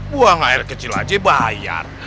buang air kecil aja bayar